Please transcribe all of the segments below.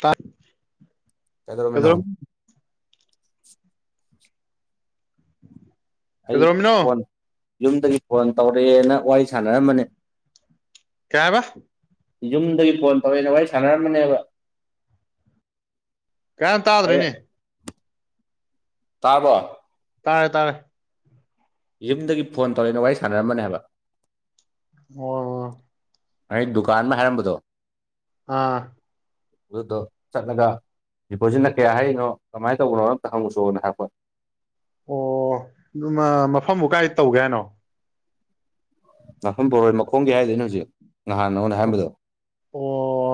ꯇꯥꯠ ꯀꯩꯗꯧꯔꯝꯃꯤꯅꯣ ꯑꯩ ꯀꯩꯗꯧꯔꯝꯃꯤꯅꯣ ꯐꯣꯟ ꯌꯨꯝꯗꯒꯤ ꯐꯣꯟ ꯇꯧꯔꯛꯑꯦꯅ ꯋꯥꯔꯤ ꯁꯥꯟꯅꯔꯝꯕꯅꯤ ꯀꯌꯥꯕ ꯌꯨꯝꯗꯒꯤ ꯐꯣꯟ ꯇꯧꯔꯛꯑꯦꯅ ꯋꯥꯔꯤ ꯁꯥꯟꯅꯔꯝꯕꯅꯦꯕ ꯀꯩ ꯍꯥꯏ ꯇꯥꯗ꯭ꯔꯦꯅꯦ ꯇꯥꯕꯣ ꯇꯥꯔꯦ ꯇꯥꯔꯦ ꯌꯨꯝꯗꯒꯤ ꯐꯣꯟ ꯇꯧꯔꯦꯏꯅ ꯋꯥꯔꯤ ꯁꯥꯟꯅꯔꯝꯕꯅꯦꯕ [unintelligible] ꯑꯩ ꯗꯨꯀꯥꯟ ꯑꯃ ꯍꯥꯏꯔꯝꯕꯗꯣ ꯑꯥ ꯑꯗꯨꯗꯣ ꯆꯠꯂꯒ ꯗꯤꯄꯣꯖꯤꯠꯅ ꯀꯌꯥ ꯍꯔꯤꯅꯣ ꯀꯃꯥꯏꯅ ꯇꯧꯕꯅꯣ ꯑꯝꯇꯪ ꯍꯪ ꯎꯁꯤ ꯍꯥꯏꯔꯛꯄ ꯑꯣ ꯗꯨꯃ ꯃꯐꯝꯕꯨ ꯀꯥꯏ ꯇꯧꯒꯦ ꯍꯥꯏꯅꯣ ꯅꯥꯛꯐꯝ ꯕꯣꯔꯣꯏ ꯃꯈꯣꯡꯒꯤ ꯍꯥꯏꯗꯣ ꯑꯩꯅ ꯍꯧꯖꯤꯛ ꯅꯍꯥꯟ ꯅꯉꯣꯟꯗ ꯑꯣ ꯍꯥꯏꯔꯝꯕꯗꯣ ꯑꯣ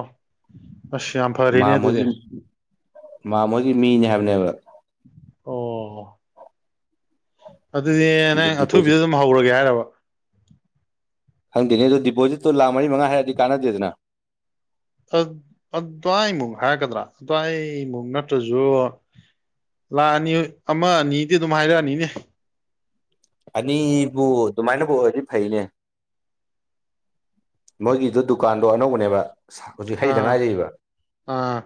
ꯑꯁ ꯌꯥꯝ ꯃꯥ ꯐꯔꯦꯅꯦ ꯑꯗꯨꯗꯤ ꯃꯣꯏꯒꯤ ꯃꯥ ꯃꯣꯏꯒꯤ ꯃꯤꯅꯦ ꯍꯥꯏꯕꯅꯦꯕ ꯑꯣ ꯑꯗꯨꯗꯤ ꯑꯗꯨ ꯅꯪ ꯑꯊꯨꯕꯤꯗ ꯗꯤꯄꯣꯖꯤꯠ ꯑꯗꯨꯝ ꯍꯧꯔꯒꯦ ꯍꯥꯏꯔꯕ ꯈꯪꯗꯦꯅꯦ ꯑꯗꯨ ꯗꯤꯄꯣꯖꯤꯠꯇꯨ ꯂꯥꯛ ꯃꯔꯤ ꯃꯉꯥ ꯍꯥꯏꯔꯛꯑꯗꯤ ꯀꯥꯟꯅꯗꯦꯗꯅ ꯑ ꯑꯗꯨꯋꯥꯏꯃꯨꯡ ꯍꯥꯏꯔꯛꯀꯗ꯭ꯔꯥ ꯑꯗꯨꯋꯥꯏ ꯃꯨꯛ ꯅꯠꯇ꯭ꯔꯁꯨ ꯂꯥꯛꯑꯅꯤ ꯑꯃ ꯑꯅꯤꯗꯤ ꯑꯗꯨꯝ ꯍꯥꯏꯔꯛꯑꯅꯤꯅꯦ ꯑꯅꯤꯕꯨ ꯑꯗꯨꯃꯥꯏꯅꯕꯨ ꯑꯣꯏꯔꯗꯤ ꯐꯩꯅꯦ ꯃꯣꯏꯒꯤꯗꯨ ꯗꯨꯀꯥꯟꯗꯣ ꯑꯅꯧꯕꯅꯦꯕ ꯍꯧꯖꯤꯛ ꯍꯩꯗ ꯑꯥ ꯉꯥꯏꯔꯤꯕ ꯑꯥ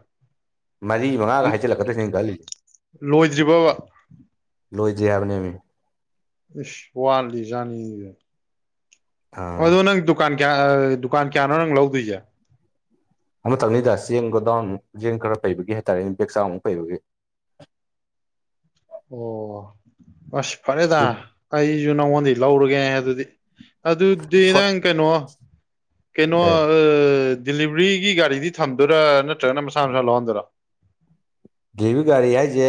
ꯃꯔꯤ ꯃꯉꯥꯒ ꯍꯥꯏꯖꯤꯜꯂꯛꯀꯗ꯭ꯔꯁꯤꯅꯤ ꯑꯩꯅ ꯈꯜꯂꯤꯁꯤ ꯂꯣꯏꯗ꯭ꯔꯤꯕꯕ ꯂꯣꯏꯗ꯭ꯔꯤ ꯍꯥꯏꯕꯅꯦꯃꯤ ꯏꯁ ꯋꯥꯠꯂꯤꯖꯥꯠꯅꯤꯗꯨꯗ ꯑꯥ ꯑꯗꯣ ꯅꯪ ꯗꯨ ꯗꯨꯀꯥꯟ ꯀꯌꯥ ꯑ ꯗꯨꯀꯥꯟ ꯀꯌꯥꯅꯣ ꯅꯪ ꯂꯧꯗꯣꯏꯖꯦ ꯑꯃꯇꯪꯅꯤꯗ ꯆꯦꯡ ꯒꯣꯗꯥꯎꯟ ꯃꯨꯛ ꯆꯦꯡ ꯈꯔ ꯄꯩꯕꯒꯤ ꯍꯥꯏꯇꯥꯔꯦꯅꯦ ꯕꯦꯛ ꯆꯥꯝꯃꯃꯨꯛ ꯄꯩꯕꯒꯤ ꯑꯣ ꯑꯁ ꯐꯔꯦꯗ ꯑꯩꯁꯨ ꯅꯉꯣꯟꯗꯤ ꯂꯧꯔꯒꯦ ꯑꯗꯨꯗꯤ ꯑꯗꯨꯗꯤ ꯁꯣꯠ ꯅꯪ ꯀꯩꯅꯣ ꯀꯩꯅꯣ ꯑ ꯑꯦ ꯗꯤꯂꯤꯕꯔꯤꯒꯤ ꯒꯥꯔꯤꯗꯤ ꯊꯝꯗꯣꯏꯔꯥ ꯅꯠꯇ꯭ꯔꯒꯅ ꯃꯁꯥ ꯃꯁꯥ ꯂꯧꯍꯟꯗꯣꯏꯔꯣ ꯒꯦꯍꯨ ꯒꯥꯔꯤ ꯍꯥꯏꯁꯦ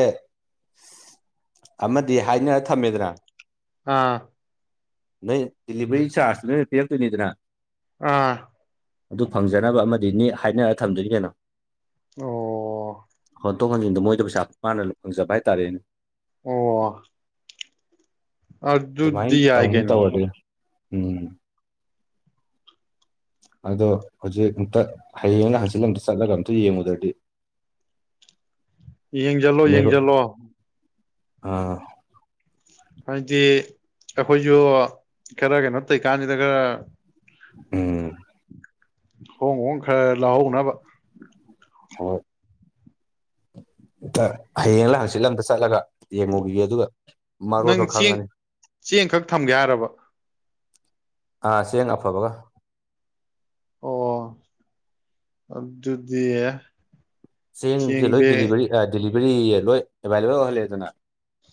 ꯑꯃꯗꯤ ꯍꯥꯏꯅꯔ ꯊꯝꯃꯦꯗꯅ ꯑꯥ ꯅꯣꯏ ꯗꯤꯂꯤꯕꯔꯤ ꯆꯥꯔꯁꯇꯤ ꯅꯣꯏꯅ ꯄꯤꯔꯛꯇꯣꯏꯅꯤꯗꯅ ꯑꯥ ꯑꯗꯨ ꯐꯪꯖꯅꯕ ꯑꯃꯗꯤꯅꯤ ꯍꯥꯏꯅꯔ ꯊꯝꯗꯣꯏꯅꯤ ꯀꯩꯅꯣ ꯑꯣ ꯍꯣꯟꯇꯣꯛ ꯍꯣꯟꯖꯤꯟꯗ ꯃꯣꯏꯗ ꯄꯩꯁꯥ ꯃꯥꯟꯅ ꯐꯪꯖꯕ ꯍꯥꯏꯇꯥꯔꯦꯅꯦ ꯑꯣ ꯑꯗꯨꯃꯥꯏꯅ ꯑꯗꯨꯗꯤ ꯌꯥꯏ ꯇꯧꯅꯤ ꯀꯩꯅꯣ ꯇꯧꯔꯒ ꯎꯝ ꯑꯗꯣ ꯍꯧꯖꯤꯛ ꯑꯝꯇ ꯍꯌꯦꯡꯂ ꯍꯡꯆꯤꯠꯂ ꯑꯝꯇ ꯆꯠꯂꯒ ꯑꯝꯇ ꯌꯦꯡꯉꯨꯗ꯭ꯔꯗꯤ [inaudible] ꯌꯦꯡꯖꯜꯂꯣ ꯃꯦꯔꯣ ꯌꯦꯡꯖꯜꯂꯣ ꯑꯥ ꯍꯥꯏꯗꯤ ꯑꯩꯈꯣꯏꯖꯨ ꯈꯔ ꯀꯩꯅꯣ ꯇꯧꯏꯀꯥꯟꯁꯤꯗ ꯈꯔ ꯎꯪ ꯍꯣꯡ ꯍꯣꯡ ꯈꯔ ꯂꯎꯍꯧꯅꯕꯥ ꯍꯣꯏ ꯍꯌꯦꯡꯂ ꯂꯥꯡꯆꯤꯠꯂꯗ ꯆꯠꯂꯒ ꯌꯦꯡꯉꯨꯈꯤꯒ ꯑꯗꯨꯒ ꯅꯪ ꯃꯔꯣꯟꯗꯣ ꯈꯪꯉꯅꯤ ꯆꯦꯡ ꯈꯛ ꯊꯝꯒꯦ ꯍꯥꯏꯔꯕ ꯑꯥ ꯆꯦꯡ ꯑꯐꯕꯒ ꯑꯣ ꯑꯗꯨꯗꯤ ꯆꯦꯡꯁꯦ ꯆꯦꯡ ꯂꯣꯏ ꯕꯦꯛ ꯗꯤꯂꯤꯚꯔꯤ ꯑ ꯗꯤꯂꯤꯚꯔꯤꯌꯦ ꯂꯣꯏ ꯑꯦꯕꯥꯏꯂꯦꯕꯜ ꯑꯣꯏꯍꯜꯂꯦꯗꯅ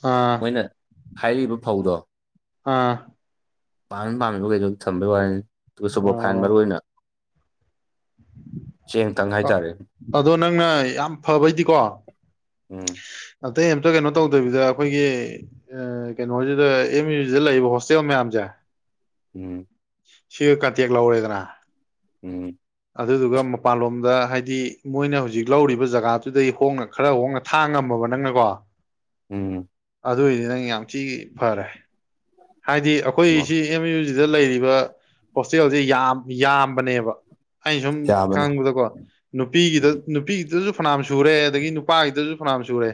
ꯑꯥ ꯃꯣꯏꯅ ꯍꯥꯏꯔꯤꯕ ꯐꯧꯗꯣ ꯑꯥ ꯄꯥꯝꯃꯤ ꯄꯥꯝꯃꯤꯕ ꯘꯩꯗꯣ ꯊꯝꯕꯩ ꯋꯥꯅꯤꯗ ꯇꯨꯒ ꯁꯨꯄꯔꯐꯥꯏꯟ ꯃꯔꯨ ꯑꯣ ꯑꯣꯏꯅ ꯆꯦꯡꯇꯪ ꯑ- ꯍꯥꯏꯇꯥꯔꯦ ꯑꯗꯣ ꯅꯪꯅ ꯌꯥꯝ ꯐꯕꯩꯗꯤꯀꯣ ꯎꯝ ꯑꯇꯩ ꯑꯝꯇ ꯀꯩꯅꯣ ꯇꯧꯗꯕꯤꯗ ꯑꯩꯈꯣꯏꯒꯤ ꯑꯦ ꯀꯩꯅꯣꯖꯤꯗ ꯑꯦꯝ ꯌꯨꯖꯤꯗ ꯂꯩꯔꯤꯕ ꯍꯣꯁꯇꯦꯜ ꯃꯌꯥꯝꯖꯦ ꯎꯝ ꯁꯤꯒ ꯀꯟꯇꯦꯛ ꯂꯧꯔꯦꯗꯅ ꯎꯝ ꯑꯗꯨꯗꯨꯒ ꯃꯄꯥꯟꯂꯣꯝꯗ ꯍꯥꯏꯗꯤ ꯃꯣꯏꯅ ꯍꯧꯖꯤꯛ ꯂꯧꯔꯤꯕ ꯖꯒꯥꯗꯨꯗꯩ ꯍꯣꯡꯅ ꯈꯔ ꯍꯣꯡꯅ ꯊꯥ ꯉꯝꯃꯕ ꯅꯪꯅꯀꯣ ꯎꯝ ꯑꯗꯨꯏꯗꯤ ꯅꯪ ꯌꯥꯝ ꯊꯤ ꯐꯔꯦ ꯍꯥꯏꯗꯤ ꯑꯈꯣꯏ ꯑꯣ ꯁꯤ ꯑꯦꯝ ꯌꯨꯖꯤꯗ ꯂꯩꯔꯤꯕ ꯍꯣꯁꯇꯦꯜꯖꯦ ꯌꯥꯝ ꯌꯥꯝꯕꯅꯦꯕ ꯑꯩꯅ ꯁꯨꯝ ꯌꯥꯕꯅꯦ ꯈꯪꯕꯗꯀꯣ ꯅꯨꯄꯤꯒꯤꯗ ꯎꯝ ꯅꯨꯄꯤꯒꯤꯗꯖꯨ ꯐꯅꯥꯝ ꯁꯨꯔꯦ ꯑꯗꯒꯤ ꯅꯨꯄꯥꯒꯤꯗꯁꯨ ꯐꯅꯥꯝ ꯁꯨꯔꯦ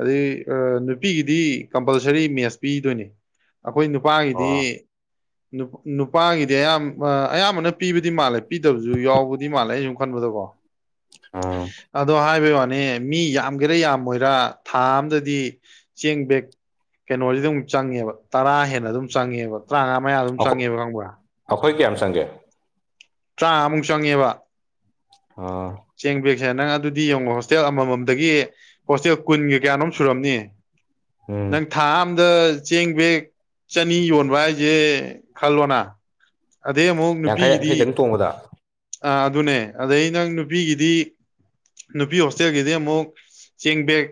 ꯑꯗꯩ ꯑꯥ ꯅꯨꯄꯤꯒꯤꯗꯤ ꯀꯝꯄꯜꯁꯔꯤ ꯃꯦꯁ ꯄꯤꯗꯣꯏꯅꯦ ꯑꯩꯈꯣꯏ ꯅꯨꯄꯥꯒꯤꯗꯤ ꯑꯣ ꯅꯨꯄꯥꯒꯤꯗꯤ ꯑꯌꯥꯝ ꯑꯌꯥꯝ ꯑꯅꯝꯕꯅ ꯄꯤꯕꯗꯤ ꯃꯥꯜꯂꯦ ꯄꯤꯗꯕꯁꯨ ꯌꯥꯎꯕꯗꯤ ꯃꯥꯜꯂꯦ ꯑꯩꯅ ꯁꯨꯝ ꯈꯟꯕꯗꯀꯣ ꯎꯝ ꯑꯗꯣ ꯍꯥꯏꯕ ꯋꯥꯅꯤ ꯃꯤ ꯌꯥꯝ ꯒꯦꯔꯥ ꯌꯥꯝꯃꯣꯏꯔꯥ ꯊꯥ ꯑꯝꯗꯗꯤ ꯆꯦꯡ ꯕꯦꯛ ꯀꯩꯅꯣꯖꯤꯗꯨꯝ ꯆꯪꯉꯦꯕ ꯇꯔꯥ ꯍꯦꯟꯅ ꯑꯗꯨꯝ ꯆꯪꯉꯦꯕ ꯇ꯭ꯔꯥꯉꯥ ꯃꯌꯥ ꯑꯗꯨꯝ ꯆꯪꯉꯦꯕ ꯈꯪꯕ꯭ꯔꯥ ꯑꯩꯈꯣꯏ ꯀꯌꯥꯝ ꯆꯪꯒꯦ ꯇ꯭ꯔꯥꯉꯥꯃꯨꯛ ꯆꯪꯉꯦꯕꯥ ꯑꯥ ꯆꯦꯡ ꯕꯦꯛꯁꯦ ꯅꯪ ꯑꯗꯨꯗꯤ ꯌꯦꯡꯉꯣ ꯍꯣꯁꯇꯦꯜ ꯑꯃꯃꯝꯗꯒꯤ ꯍꯣꯁꯇꯦꯜ ꯀꯨꯟꯒ ꯀꯌꯥꯅꯣꯝ ꯁꯨꯔꯝꯅꯤ ꯎꯝ ꯅꯪ ꯊꯥ ꯑꯝꯗ ꯆꯦꯡ ꯕꯦꯛ ꯆꯅꯤ ꯌꯣꯟꯕ ꯍꯥꯏꯖꯦ ꯈꯜꯂꯣꯅ ꯑꯗꯩ ꯑꯃꯨꯛ ꯌꯥꯡꯈꯩ ꯅꯨꯄꯤꯒꯤꯗꯤ ꯌꯥꯡꯈꯩꯗꯪ ꯇꯣꯡꯕꯗ ꯑꯥ ꯑꯗꯨꯅꯦ ꯑꯗꯩ ꯅꯪ ꯅꯨꯄꯤꯒꯤꯗꯤ ꯅꯨꯄꯤ ꯍꯣꯁꯇꯦꯜꯒꯤꯗꯤ ꯑꯃꯨꯛ ꯆꯦꯡ ꯕꯦꯛ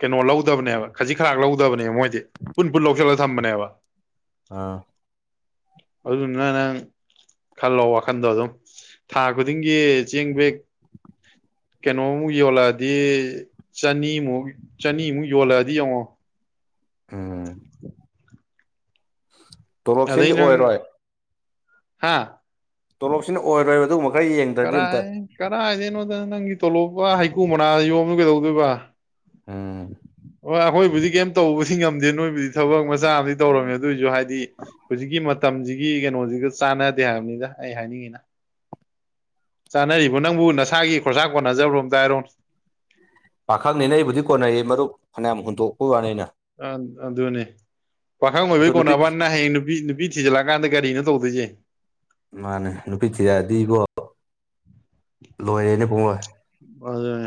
ꯀꯩꯅꯣ ꯂꯧꯗꯕꯅꯦꯕ ꯈꯖꯤꯛ ꯈꯔ ꯂꯧꯗꯕꯅꯦꯕ ꯃꯣꯏꯗꯤ ꯄꯨꯟ ꯄꯨꯟ ꯂꯧꯁꯤꯜꯂꯒ ꯊꯝꯕꯅꯦꯕ ꯑꯥ ꯑꯗꯨꯗꯨꯅ ꯅꯪ ꯈꯜꯂꯣ ꯋꯥꯈꯟꯗꯣ ꯑꯗꯨꯝ ꯊꯥ ꯈꯨꯗꯤꯡꯒꯤ ꯆꯦꯡ ꯕꯦꯛ ꯀꯩꯅꯣꯃꯨꯛ ꯌꯣꯜꯂꯛꯑꯗꯤ ꯆꯅꯤꯃꯨꯛ ꯆꯅꯤꯃꯨꯛ ꯌꯣꯜꯂꯛꯑꯗꯤ ꯌꯦꯡꯉꯣ ꯎꯝ [inaudible] ꯑꯗꯩ ꯇꯣꯂꯣꯞꯁꯤꯅꯗꯤ ꯅꯪ ꯑꯣꯏꯔꯣꯏ ꯍꯥ ꯇꯣꯂꯣꯞꯁꯤꯅ ꯑꯣꯏꯔꯣꯏꯕ ꯑꯗꯨꯒꯨꯝ ꯀꯔꯥꯏ ꯀꯔꯥꯏꯗꯩꯅꯣꯗ ꯅꯪꯒꯤ ꯇꯣꯂꯣꯞꯀꯥ ꯍꯩꯀꯨ ꯃꯅꯥꯗ ꯌꯣꯝꯕꯗꯣ ꯀꯩꯗꯧꯗꯣꯏꯕ ꯎꯝ ꯍꯣꯏ ꯑꯩꯈꯣꯏꯕꯨꯗꯤ ꯀꯩꯝ ꯇꯧꯕꯗꯤ ꯉꯝꯗꯦ ꯅꯣꯏꯕꯨꯗꯤ ꯊꯕꯛ ꯃꯥ ꯆꯥꯝꯃꯗꯤ ꯇꯧꯔꯝꯅꯦ ꯑꯗꯨꯏꯖꯨ ꯍꯥꯏꯗꯤ ꯍꯨꯖꯤꯛꯀꯤ ꯃꯇꯝꯖꯤ ꯃꯤ ꯀꯩꯅꯣꯖꯤꯒ ꯆꯥꯟꯅꯗꯦ ꯍꯥꯏꯕꯅꯤꯗ ꯑꯩ ꯍꯥꯏꯅꯤꯡꯉꯤꯅ ꯆꯥꯅꯔꯤꯕ ꯅꯪꯕꯨ ꯅꯁꯥꯒꯤ ꯈꯣꯔꯁꯥ ꯀꯣꯟꯅꯖꯕꯔꯣ ꯑꯃꯇꯥ ꯍꯥꯏꯔꯣ ꯄꯥꯈꯪꯅꯤꯅ ꯑꯩꯕꯨꯗꯤ ꯀꯣꯟꯅꯩꯌꯦ ꯃꯔꯨꯞ ꯐꯅꯌꯥꯝ ꯍꯨꯟꯗꯣꯛꯄ ꯋꯥꯅꯤ ꯑꯩꯅ ꯑꯗꯨꯅꯦ ꯄꯥꯈꯪ ꯑꯗꯣ ꯑꯣꯏꯕꯩ ꯅꯨꯄꯤ ꯀꯣꯟꯅꯕ ꯋꯥꯅꯤ ꯍꯌꯦꯡ ꯅꯨꯄꯤ ꯅꯨꯄꯤ ꯅꯨꯄꯤ ꯊꯤꯖꯤꯜꯂꯑꯀꯥꯟꯗ ꯀꯔꯤꯅꯣ ꯇꯧꯗꯣꯏꯖꯦ ꯃꯥꯅꯦ ꯅꯨꯄꯤ ꯊꯤꯖꯜꯂꯗꯤꯀꯣ ꯂꯣꯏꯔꯦꯅꯦ ꯄꯨꯡꯂꯣꯏ ꯑꯗꯨꯅꯦ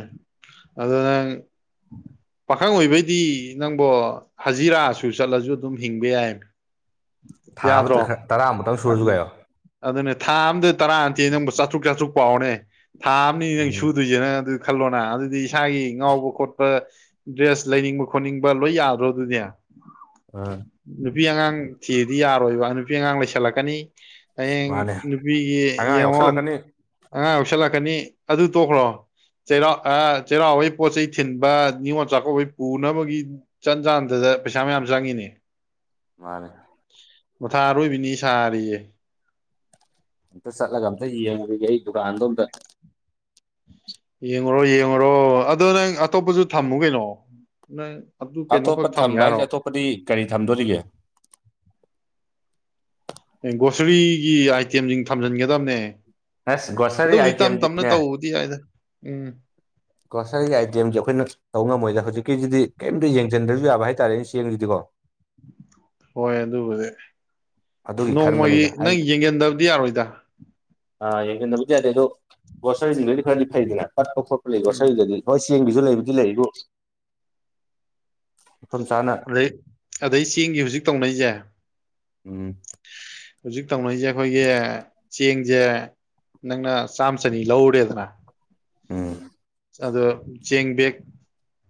ꯑꯗꯨ ꯅꯪ ꯄꯥꯈꯪ ꯑꯣꯏꯕꯩꯗꯤ ꯅꯪꯕꯣ ꯍꯖꯤꯔꯥꯁꯨ ꯆꯠꯂꯖꯨ ꯑꯗꯨꯝ ꯍꯤꯡꯕ ꯌꯥꯏ ꯊꯥ ꯌꯥꯗ꯭ꯔꯣ ꯑꯃꯇ ꯈꯔ ꯇꯔꯥꯃꯨꯛꯇꯪ ꯁꯨꯔꯖꯨ ꯀꯥꯏꯌꯣ ꯑꯗꯨꯅꯦ ꯊꯥ ꯑꯝꯗ ꯇꯔꯥ ꯅꯠꯇꯦ ꯅꯪꯕꯨ ꯆꯥꯇ꯭ꯔꯨꯛ ꯆꯥꯇ꯭ꯔꯨꯛ ꯄꯥꯎꯅꯦ ꯊꯥ ꯑꯃꯅꯤ ꯅꯪ ꯎꯝ ꯁꯨꯗꯣꯏꯖꯦ ꯅꯪ ꯑꯗꯨ ꯈꯜꯂꯣꯅ ꯑꯗꯨꯗꯤ ꯏꯁꯥꯒꯤ ꯉꯥꯎꯕ ꯈꯣꯠꯄ ꯗ꯭ꯔꯦꯁ ꯂꯩꯅꯤꯡꯕ ꯈꯣꯠꯅꯤꯡꯕ ꯂꯣꯏ ꯌꯥꯗ꯭ꯔꯣ ꯑꯗꯨꯗꯤ ꯑ ꯅꯨꯄꯤ ꯑꯉꯥꯡ ꯊꯤꯔꯗꯤ ꯌꯥꯔꯣꯏꯕ ꯅꯨꯄꯤ ꯑꯉꯥꯡ ꯂꯩꯁꯜꯂꯛꯀꯅꯤ ꯍꯌꯦꯡ ꯃꯥꯅꯦ ꯅꯨꯄꯤꯒꯤ ꯑꯉꯥꯡ ꯌꯦꯡꯉꯣ ꯌꯥꯎꯁꯜꯂꯛꯀꯅꯤ ꯑꯉꯥꯡ ꯌꯥꯎꯁꯜꯂꯛꯀꯅꯤ ꯑꯗꯨ ꯇꯣꯛꯈ꯭ꯔꯣ ꯆꯩꯔꯥꯎ ꯑ ꯆꯩꯔꯥꯎꯕꯩ ꯄꯣꯠ ꯆꯩ ꯊꯤꯟꯕ ꯅꯤꯉꯣꯜ ꯆꯥꯛꯀꯧꯕꯩ ꯄꯨꯅꯕꯒꯤ ꯆꯟ ꯆꯥꯟꯗꯗ ꯄꯩꯁꯥ ꯃꯌꯥꯝ ꯆꯪꯉꯤꯅꯦ ꯃꯥꯅꯦ ꯃꯣꯊꯥ ꯑꯔꯣꯏꯕꯤꯅꯤ ꯁꯥꯔꯤꯖꯦ ꯑꯝꯇ ꯆꯠꯂꯒ ꯑꯝꯇ ꯌꯦꯡꯉꯨꯨꯒꯤꯒꯦ ꯑꯩ ꯗꯨꯀꯥꯟꯗꯣ ꯑꯝꯇ ꯌꯦꯡꯉꯨꯔꯣ ꯌꯦꯡꯉꯨꯔꯣ ꯑꯗꯣ ꯅꯪ ꯑꯇꯣꯞꯄꯖꯨ ꯊꯝꯃꯨ ꯀꯩꯅꯣ ꯅꯪ ꯑꯗꯨ ꯀꯩꯅꯣꯈꯛ ꯊꯝꯒꯦ ꯍꯥꯏꯔꯣ [unintelligible] ꯗꯤ ꯀꯔꯤ ꯊꯝꯗꯣꯔꯤꯒꯦ ꯑꯦ ꯒ꯭ꯔꯣꯁꯔꯤꯒꯤ ꯑꯥꯏꯇꯦꯝꯖꯤꯡ ꯊꯝꯖꯟꯒꯗꯝꯅꯦ ꯑꯁ ꯒ꯭ꯔꯣꯁꯔꯤ ꯑꯗꯨꯕꯨꯗꯤ ꯇꯝ ꯇꯝꯅ ꯑꯥꯏꯇꯦꯝꯗꯤꯅꯦ ꯇꯧꯕꯗꯤ ꯌꯥꯏꯗ ꯎꯝ ꯒ꯭ꯔꯣꯁꯔꯤꯒꯤ ꯑꯥꯏꯇꯦꯝꯖꯦ ꯑꯩꯈꯣꯏꯅ ꯇꯧꯕ ꯉꯥꯝꯃꯣꯏꯗ ꯍꯧꯖꯤꯛꯀꯤꯁꯤꯗꯤ ꯀꯔꯤꯝꯇ ꯌꯦꯡꯁꯤꯟꯗ꯭ꯔꯁꯨ ꯌꯥꯕ ꯍꯥꯏꯇꯥꯔꯦꯅꯦ ꯆꯦꯡꯁꯤꯗꯤꯀꯣ ꯍꯣꯏ ꯑꯗꯨꯕꯨꯗꯤ ꯑꯗꯨꯒꯤ ꯅꯣꯡꯃꯒꯤ ꯈꯟꯕꯅꯤꯗ ꯍꯥꯏꯕꯗꯤ ꯅꯪ ꯌꯦꯡꯖꯟꯗꯕꯗꯤ ꯌꯥꯔꯣꯏꯗ ꯑꯥ ꯌꯦꯡꯖꯟꯗꯕꯨꯗꯤ ꯌꯥꯗꯦ ꯑꯗꯣ ꯒꯣꯁꯔꯤꯁꯤꯡꯗꯨꯗꯩꯗꯤ ꯈꯔꯗꯤ ꯐꯩꯗꯅ ꯄꯠꯄ ꯈꯣꯠꯄ ꯂꯩ ꯎꯝ ꯒꯣꯁꯔꯤꯗꯗꯤ ꯍꯣꯏ ꯆꯦꯡꯒꯤꯖꯨ ꯂꯩꯕꯨꯗꯤ ꯂꯩꯕꯨ ꯆꯥꯅ ꯑꯗꯩ ꯑꯗꯩ ꯆꯦꯡꯒꯤ ꯍꯧꯖꯤꯛ ꯇꯧꯅꯩꯖꯦ ꯎꯝ ꯍꯧꯖꯤꯛ ꯇꯧꯅꯩꯖꯦ ꯑꯩꯈꯣꯏꯒꯤ ꯆꯦꯡꯖꯦ ꯅꯪꯅ ꯆꯥꯝ ꯆꯅꯤ ꯂꯧꯔꯨꯔꯦꯗꯅ ꯎꯝ ꯑꯗꯨ ꯆꯦꯡ ꯕꯦꯛ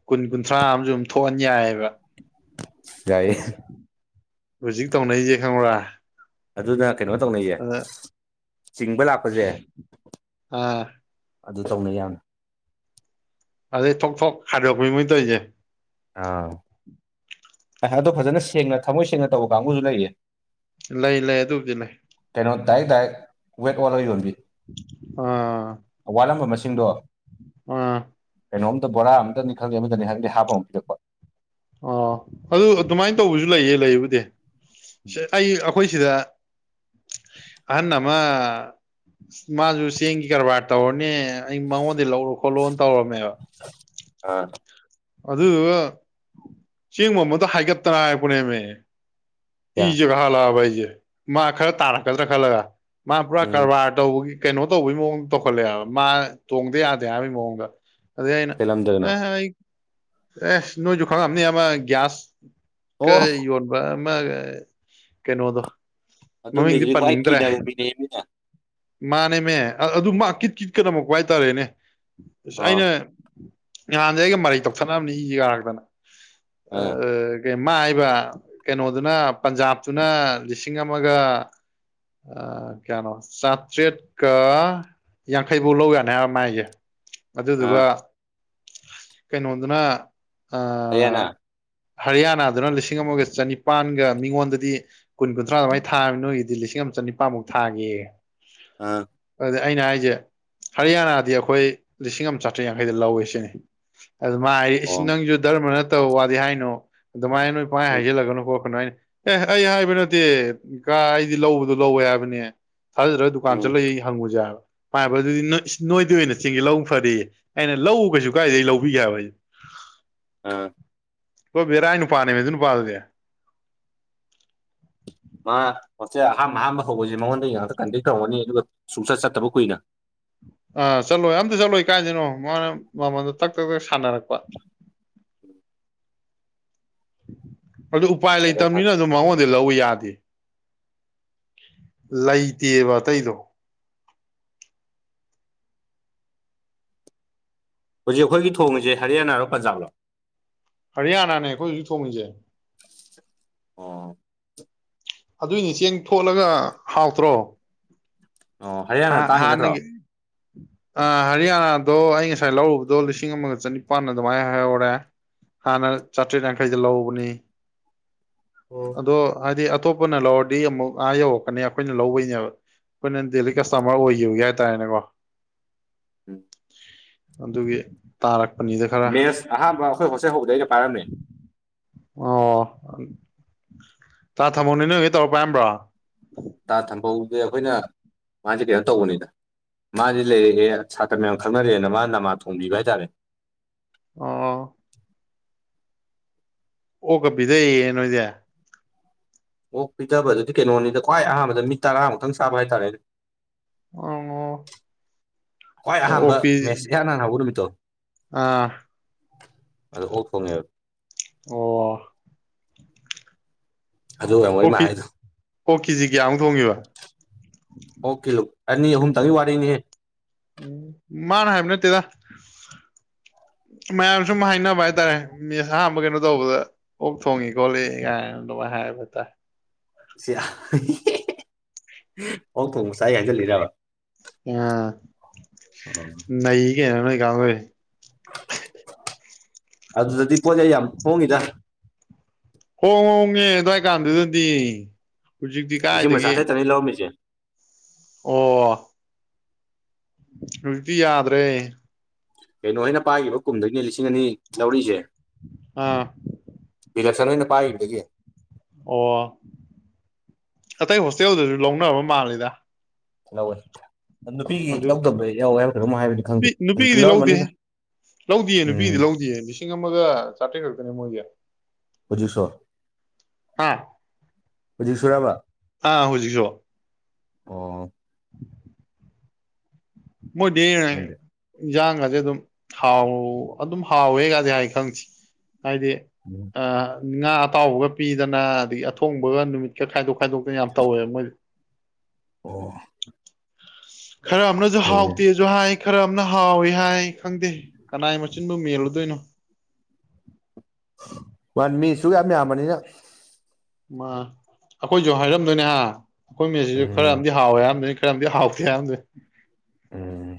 ꯀꯨꯟ ꯀꯨꯟꯊ꯭ꯔꯥ ꯑꯃꯖꯨ ꯑꯗꯨꯝ ꯊꯣꯛꯍꯟ ꯌꯥꯏꯕ ꯌꯥꯏꯌꯦ ꯍꯧꯖꯤꯛ ꯇꯧꯅꯩꯖꯦ ꯈꯪꯕ꯭ꯔꯥ ꯑꯗꯨꯅ ꯀꯩꯅꯣ ꯇꯧꯅꯩꯌꯦ ꯑꯗ ꯆꯤꯡꯕ ꯂꯥꯛ ꯑꯥ ꯑꯗꯨ ꯇꯧꯅꯩ ꯌꯥꯝ ꯑꯗꯩ ꯊꯣꯛ ꯊꯣꯛ ꯈꯥꯏꯗꯣꯛꯄꯤ ꯃꯣꯏ ꯇꯧꯏꯖꯦ ꯑꯥ ꯑꯗꯣ ꯐꯖꯅ ꯁꯦꯡꯅ ꯊꯝꯃꯣꯏ ꯁꯦꯡꯅ ꯇꯧꯕ ꯀꯥꯡꯕꯨꯖꯨ ꯂꯩꯌꯦ ꯂꯩ ꯂꯩ ꯑꯗꯨꯕꯨꯗꯤ ꯂꯩ ꯀꯩꯅꯣ ꯗꯥꯏꯔꯦꯛ ꯗꯥꯥꯏꯔꯦꯛ ꯋꯦꯠ ꯑꯣꯜꯂ ꯌꯣꯟꯕꯤ ꯑꯥ ꯋꯥꯠꯂꯝꯕ ꯃꯁꯤꯡꯗꯣ ꯑ ꯀꯩꯅꯣꯝꯇ ꯕꯣꯔꯥ ꯑꯝꯇꯅꯤ ꯈꯪꯗꯦ ꯑꯃꯗꯅꯤ ꯈꯪꯗꯦ ꯍꯥꯞꯄ ꯑꯃꯨꯛ ꯄꯤꯔꯛꯄ ꯑꯣ ꯑꯗꯨ ꯑꯗꯨꯃꯥꯏꯟ ꯇꯧꯕꯖꯨ ꯂꯩꯌꯦ ꯂꯩꯕꯨꯗꯤ ꯁꯦ ꯑꯩ ꯑꯩꯈꯣꯏ ꯁꯤꯗ ꯑꯍꯟ ꯑꯃ ꯃꯥꯖꯨ ꯆꯦꯡꯒꯤ ꯀꯔꯕꯥꯔ ꯇꯧꯔꯅꯤ ꯑꯩ ꯃꯉꯣꯟꯗꯩ ꯂꯧꯔꯣ ꯈꯣꯠꯂꯣꯅ ꯇꯧꯔꯝꯃꯦꯕ ꯑꯥ ꯑꯗꯨꯗꯨꯒ ꯆꯦꯡ ꯃꯃꯟꯗꯣ ꯍꯥꯏꯒꯠꯇꯅ ꯍꯥꯏꯔꯛꯄꯅꯦꯃꯦ ꯀꯌꯥ ꯏꯖꯦ ꯀꯥꯈꯠꯂꯛꯑꯕ ꯑꯩꯖꯦ ꯃꯥ ꯈꯔ ꯇꯥꯔꯛꯀꯗ꯭ꯔꯥ ꯈꯜꯂꯒ ꯃꯥ ꯄꯨꯔꯥ ꯎꯝ ꯀꯔꯕꯥꯔ ꯇꯧꯕꯒꯤ ꯀꯩꯅꯣ ꯇꯧꯕꯒꯤ ꯃꯑꯣꯡꯗ ꯇꯧꯈꯠꯂꯛꯑꯦꯕ ꯃꯥ ꯇꯣꯡꯗ ꯌꯥꯗꯦ ꯍꯥꯏꯕꯩ ꯃꯑꯣꯡꯗ ꯑꯗꯨꯗꯩ ꯑꯩꯅ ꯀꯩ ꯂꯝꯗꯅꯣ ꯑꯦ [unintelligible] ꯑꯩ ꯑꯦꯁ ꯅꯣꯏꯖꯨ ꯈꯪꯉꯝꯅꯤ ꯑꯃ ꯒ꯭ꯌꯥꯁ ꯀ ꯑꯣ ꯌꯣꯟ ꯕ ꯑꯃ ꯀꯩꯅꯣꯗꯣ ꯑꯗꯨ ꯃꯃꯤꯡꯗꯤ ꯃꯤꯁꯨ ꯀ꯭ꯋꯥꯏ ꯀꯤꯗꯕ ꯃꯤꯅꯦ ꯃꯤꯅ ꯃꯥꯅꯦꯅꯦ ꯑꯗꯨ ꯃꯥ ꯀꯤꯠ ꯀꯤꯠꯀꯗꯝꯃꯛꯄ ꯍꯥꯏꯇꯥꯔꯦꯅꯦ ꯑꯁ ꯑꯣ ꯑꯩꯅ ꯅꯍꯥꯟꯗꯩ ꯑꯩꯒ ꯃꯔꯩ ꯇꯧꯊꯠꯅꯕꯅꯤꯁꯤ ꯀꯔꯛꯇꯅ ꯑ ꯑꯥ [inaudible] ꯀ ꯃꯥꯏꯕ ꯀꯩꯅꯣꯗꯨꯅ ꯄꯟꯖꯥꯕꯇꯨꯅ ꯂꯤꯁꯤꯡ ꯑꯃꯒ ꯑ ꯀꯌꯥꯅꯣ ꯆꯇ꯭꯭ꯔꯦꯠ ꯀ ꯌꯥꯡꯈꯩꯐꯧ ꯂꯧ ꯌꯥꯅꯤ ꯍꯥꯏꯕ ꯃꯥꯏꯁꯦ ꯑꯗꯨꯗꯨꯒ ꯑꯥ ꯩꯅ ꯑꯣꯏꯗꯅ ꯑ ꯑꯌꯥꯅ ꯍꯔꯤꯌꯥꯅꯥꯗꯨꯅ ꯂꯤꯁꯤꯡ ꯑꯃꯒ ꯆꯅꯤꯄꯥꯟꯒ ꯃꯤꯉꯣꯟꯗꯗꯤ ꯀꯨꯟ ꯀꯨꯟꯊ꯭ꯔꯥ ꯑꯗꯨꯃꯥꯏ ꯊꯥꯃꯤ ꯅꯣꯏꯒꯤꯗꯤ ꯂꯤꯁꯤꯡ ꯑꯃ ꯆꯅꯤꯄꯥꯟꯃꯨꯛ ꯊꯥꯒꯦ ꯑꯥ ꯑꯗꯨꯗ ꯑꯩꯅ ꯍꯥꯏꯁꯦ ꯍꯔꯤꯌꯥꯅꯥꯗꯤ ꯑꯩꯈꯣꯏ ꯂꯤꯁꯤꯡ ꯑꯃ ꯆꯥꯇ꯭ꯔꯦꯠ ꯌꯥꯡꯈꯩꯗ ꯂꯧꯋꯦ ꯁꯤꯅꯤ ꯑꯗꯨ ꯃꯥ ꯍꯥꯏ ꯏ ꯑꯣ ꯎꯝ ꯅꯪꯁꯨ ꯙꯔꯃ ꯅꯠꯇꯕ ꯋꯥꯗꯤ ꯍꯥꯏꯅꯣ ꯑꯗꯨꯃꯥꯏꯅ ꯅꯣꯏ ꯄꯥꯡꯑꯥꯏ ꯍꯥꯏꯖꯤꯜꯂꯒꯅꯨꯀꯣ ꯀꯩꯅꯣꯥꯏꯅ ꯑꯦꯍ ꯑꯩ ꯍꯥꯏꯕ ꯅꯠꯇꯦ ꯀꯥ ꯑꯩꯗꯤ ꯂꯧꯕꯗꯣ ꯂꯧꯋꯦ ꯍꯥꯏꯕꯅꯦ ꯊꯥꯖꯗ꯭ꯔ ꯗꯨꯀꯥꯟ ꯎꯝ ꯆꯠꯂ ꯑꯩ ꯍꯪꯉꯨꯁꯦ ꯍꯥꯏꯕ ꯄꯥꯏꯕ ꯑꯗꯨꯗꯤ ꯅꯣꯏꯗꯤ ꯑꯣꯏꯅ ꯆꯤꯡꯉꯦ ꯂꯧꯅ ꯐꯔꯌꯦ ꯑꯩꯅ ꯂꯧ ꯀꯩꯁꯨ ꯀꯥꯏꯗꯒꯤꯩ ꯂꯧ ꯕꯤ ꯀꯌꯥ ꯎꯝ ꯍꯣꯏ ꯕꯦꯔꯥꯏ ꯅꯨꯄꯥꯥꯅꯦꯃꯦ ꯑꯗꯨ ꯅꯨꯄꯥꯗꯨꯗꯤ ꯃꯥ ꯃꯦ ꯑꯍꯥꯝ ꯑꯍꯥꯝꯕ ꯍꯧꯕꯁꯦ ꯃꯉꯣꯟꯗ ꯉꯥꯛꯇ ꯀꯟꯗꯦꯛ ꯇꯧꯉꯅꯤ ꯑꯗꯨꯒ ꯁꯨꯡꯆꯠ ꯆꯠꯇꯕ ꯀꯨꯏꯅ ꯑ ꯆꯠꯂꯣꯏ ꯑꯝꯇ ꯆꯠꯂꯣꯏ ꯀꯥꯏꯁꯤꯅꯣ ꯃꯥꯅ ꯃꯃꯟꯗ ꯇꯛ ꯇꯛ ꯇꯛ ꯁꯥꯟꯅꯔꯛꯄꯥ ꯎꯝ ꯑꯗꯨ ꯎꯄꯥꯏ ꯑꯗ ꯂꯩꯇꯕꯅꯤꯅ ꯑꯗꯨꯝ ꯃꯉꯣꯟꯗ ꯂꯧꯕ ꯌꯥꯗꯦ ꯂꯩꯇꯦꯕ ꯑꯇꯩꯗꯣ ꯍꯧꯖꯤꯛ ꯑꯩꯈꯣꯏꯒꯤ ꯊꯣꯡꯉꯁꯦ ꯍꯔꯤꯌꯥꯅꯥꯔꯣ ꯄꯟꯖꯥꯕꯔꯣ ꯍꯔꯤꯌꯥꯅꯥꯅꯦ ꯑꯩꯈꯣꯏ ꯍꯧꯖꯤꯛ ꯊꯣꯡꯉꯤꯁꯦ ꯑꯣ ꯑꯗꯨꯏꯅꯤ ꯆꯦꯡ ꯊꯣꯠꯂꯒ ꯍꯥꯎꯇ꯭ꯔꯣ ꯑꯣ ꯍꯔꯤꯌꯥꯅꯥ ꯇꯥꯡꯉꯤ ꯅꯠꯇ꯭ꯔꯣ ꯍꯥꯟꯅꯒꯤ ꯎꯝ ꯑ ꯍꯔꯤꯌꯥꯅꯥꯗꯣ ꯑꯩ ꯉꯁꯥꯏ ꯂꯧꯔꯨꯕꯗꯣ ꯂꯤꯁꯤꯡ ꯑꯃꯒ ꯆꯅꯤꯄꯥꯟ ꯑꯗꯨꯃꯥꯏꯅ ꯍꯥꯏꯍꯧꯔꯦ ꯍꯥꯟꯅ ꯆꯥꯇ꯭ꯔꯦꯠ ꯌꯥꯡꯈꯩꯗ ꯂꯧꯕꯅꯤ ꯑꯣ ꯑꯗꯣ ꯍꯥꯏꯗꯤ ꯑꯇꯣꯞꯄꯅ ꯂꯧꯔꯗꯤ ꯑꯃꯨꯛ ꯑꯥ ꯌꯧꯔꯛꯀꯅꯤ ꯑꯩꯈꯣꯏꯅ ꯂꯧꯕꯩꯅꯦꯕ ꯑꯩꯈꯣꯏꯅ ꯗꯦꯂꯤ ꯀꯁꯇꯃꯔ ꯑꯣꯏꯈꯤꯕꯒꯒꯤ ꯍꯥꯏꯇꯥꯔꯦꯅꯦꯀꯣ ꯎꯝ ꯑꯗꯨꯒꯤ ꯇꯥꯔꯛ ꯃꯦꯠꯁ ꯑꯍꯥꯟꯕ ꯑꯩꯈꯣꯏ ꯍꯣꯁꯛ ꯍꯧꯕꯗꯩꯒ ꯄꯥꯏꯔꯝꯃꯦ ꯑꯣ ꯆꯥ ꯊꯝꯃꯣꯅꯤ ꯅꯣꯏ ꯍꯦꯛ ꯇꯧꯔ ꯄꯥꯏꯝꯕ꯭ꯔꯣ ꯇꯥ ꯊꯝꯐꯧꯁꯦ ꯑꯩꯈꯣꯏꯅ ꯃꯥꯁꯦ ꯀꯩꯅꯣ ꯇꯧꯕꯅꯤꯅ ꯃꯥꯗꯤ ꯂꯩꯔꯛꯑꯦ ꯁꯥꯇ꯭ꯔ ꯃꯌꯥꯝ ꯈꯪꯅꯔꯑꯦꯅ ꯃꯥ ꯅꯃꯥ ꯊꯣꯡꯕꯤꯕ ꯍꯥꯏꯇꯥꯔꯦ ꯑꯣ ꯑꯣ ꯀꯕꯤꯗꯣꯏ ꯌꯦꯅꯣ ꯏꯗꯌꯥ [inaudible] ꯑꯣꯛ ꯄꯤꯗꯕꯗꯨꯗꯤ ꯀꯩꯅꯣꯅꯤꯗ ꯈ꯭ꯋꯥꯏ ꯑꯍꯥꯟꯕꯗ ꯃꯤ ꯇꯔꯥꯃꯨꯛꯇꯪ ꯁꯥꯥꯕ ꯍꯥꯏꯇꯥꯔꯦ ꯑꯣ ꯈ꯭ꯋꯥꯏ ꯑꯍꯥꯟꯕ ꯑꯣꯛ ꯄꯤ ꯃꯦꯠꯁ ꯏꯍꯥꯟ ꯍꯥꯟꯅꯥ ꯍꯧꯕꯅꯨꯃꯤꯠꯇꯣ ꯑꯥ [inaudible] ꯑꯗ ꯑꯣꯛ ꯊꯣꯡꯉꯦꯕ ꯑꯣ ꯑꯗꯨ ꯑꯣꯏꯔꯝ ꯃꯣꯏ ꯏꯃ ꯍꯥꯏꯗꯣ ꯑꯣ ꯀꯦꯖꯤ ꯀꯌꯥꯃꯨꯛ ꯊꯣꯡꯉꯦꯕ ꯀꯤꯂꯣ ꯑꯅꯤ ꯑꯍꯨꯝ ꯇꯪꯒꯤ ꯋꯥ ꯋꯥꯔꯤꯔꯅꯤ ꯎꯝ ꯃꯥꯅ ꯍꯥꯏꯕ ꯅꯠꯇꯦꯗ ꯎ [inaudible] ꯃꯌꯥꯝ ꯁꯨꯝ ꯍꯥꯏꯅꯕ ꯍꯥꯏꯇꯥꯔꯦ ꯃꯤ ꯑꯍꯥꯟꯕ ꯀꯩꯅꯣ ꯇꯧꯕꯗꯥ ꯑꯣꯛ ꯊꯣꯡꯉꯤ ꯈꯣꯂꯤ ꯀꯥꯏ ꯑꯗꯨꯃꯥꯏ ꯍꯥꯏꯕꯠꯇ ꯁꯤ ꯍꯣꯛ ꯊꯣꯡ ꯃꯁꯥꯏ ꯍꯥꯏꯖꯤꯜꯂꯤꯔꯕ ꯑꯥ ꯑꯣ ꯅꯩ ꯀꯩꯅꯣ ꯅꯣꯏ ꯀꯥꯡꯒꯨꯖꯤ ꯑꯗꯨ ꯑꯗꯨꯗꯤ ꯄꯣꯖ ꯌꯥꯝ ꯍꯣꯡꯉꯤꯗ ꯍꯣꯡ ꯍꯣꯡꯉꯦ ꯑꯗꯨꯋꯥꯏ ꯀꯥꯟꯗꯨꯗꯗꯤ ꯍꯧꯖꯤꯛꯇꯤ ꯀꯥꯏꯗꯒꯤ ꯃ ꯂꯧ ꯃꯤꯁꯦ ꯑꯣ ꯍꯧꯖꯤ ꯇꯤꯌꯥꯗ꯭ꯔꯦ ꯀꯩꯅꯣ ꯑꯩꯅ ꯄꯥꯏꯈꯤꯕ ꯀꯨꯝꯗꯒꯤꯅ ꯂꯤꯁꯤꯡ ꯑꯅꯤ ꯂꯧꯔꯤꯖꯦ ꯑꯥ ꯕꯤꯂꯞꯁꯟ ꯍꯣꯏꯅ ꯄꯥꯏꯒꯤꯕꯗꯒꯤ ꯑꯣ ꯑꯇꯩ ꯍꯣꯁꯇꯦꯜꯗꯁꯨ ꯂꯧꯅꯕ ꯃꯥꯜꯂꯤꯗꯥ ꯂꯧꯋꯦ ꯅꯨꯄꯤꯒꯤ ꯑꯗꯨ ꯂꯧꯗꯕ ꯌꯥꯎꯋꯦ ꯍꯥꯏꯕꯔ ꯀꯩꯅꯣꯝ ꯍꯥꯏꯕꯅꯤ ꯈꯪꯗꯦ ꯅꯨꯄꯤ ꯍꯧꯖꯤꯛꯇꯤ ꯅꯨꯄꯤꯒꯤꯗꯤ ꯂꯧꯗꯦ ꯂꯧꯔꯝꯃꯅꯤꯗ ꯂꯧꯗꯤꯌꯦ ꯅꯨꯄꯤꯒꯤꯗꯤ ꯎꯝ ꯂꯧꯗꯤꯌꯦ ꯂꯤꯁꯤꯡ ꯑꯃꯒ ꯆꯥꯇ꯭ꯔꯦꯠ ꯈꯛꯇꯅꯦ ꯃꯣꯏꯒꯤ ꯍꯧꯖꯤ ꯁꯨ ꯍꯥ ꯍꯧꯖꯤ ꯁꯨꯔꯕ ꯑꯥ ꯍꯧꯖꯤꯛꯁꯨ ꯑꯣ ꯃꯣꯏ ꯗꯤ ꯈꯪꯗꯦ ꯏꯟꯁꯥꯡꯒꯁꯦ ꯑꯗꯨꯝ ꯍꯥꯎ ꯑꯗꯨꯝ ꯍꯥꯎꯋꯦꯒꯗꯤ ꯍꯥꯏ ꯈꯪꯗꯦ ꯍꯥꯏꯗꯤ ꯎꯝ ꯉꯥ ꯑꯇꯥꯎꯕꯒ ꯄꯤꯗꯅ ꯑꯗꯒꯤ ꯑꯊꯣꯡꯕꯒ ꯅꯨꯃꯤꯠꯀ ꯈꯥꯏꯗꯣꯛ ꯈꯥꯏꯗꯣꯛꯇꯅ ꯌꯥꯝ ꯇꯧꯋꯦꯕ ꯃꯣꯏ ꯑꯣ ꯈꯔ ꯑꯃꯅꯁꯨ ꯐꯩꯅꯦ ꯍꯥꯎꯇꯦ ꯖꯨ ꯍꯥꯏ ꯈꯔ ꯑꯃꯅ ꯍꯥꯎꯋꯤ ꯍꯥꯏ ꯈꯪꯗꯦ ꯀꯅꯥꯏ ꯃꯆꯤꯟꯕꯨ ꯃꯦꯜꯂꯨꯗꯣꯏꯅꯣ ꯋꯥꯟ ꯃꯤꯁꯨꯨꯛ ꯌꯥꯝ ꯌꯥꯝꯕꯅꯤꯅ ꯃꯥ ꯑꯩꯈꯣꯏꯁꯨ ꯍꯥꯏꯔꯝꯗꯣꯏꯅꯦꯍꯤ ꯑꯩꯈꯣꯏ ꯃꯦꯁꯤꯁꯨ ꯈꯔ ꯎꯝ ꯑꯃꯗꯤ ꯍꯥꯎꯋꯦ ꯍꯥꯏꯔꯝꯗꯣꯏꯅꯤ ꯈꯔꯝꯗꯤ ꯍꯥꯥꯎꯇꯦ ꯍꯥꯏꯝꯗꯣꯏ ꯎꯝ